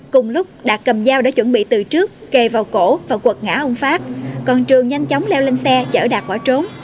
cùng lúc đạt cầm dao để chuẩn bị từ trước kề vào cổ và quật ngã ông phát còn trường nhanh chóng leo lên xe chở đạt bỏ trốn